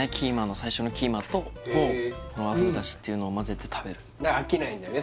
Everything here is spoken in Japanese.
最初のキーマとこの和風だしっていうのを混ぜて食べるだから飽きないんだよね